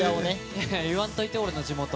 言わんといて、俺の地元。